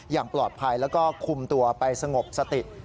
อย่างปลอดภัยแล้วก็คุมตัวไปสงบสติ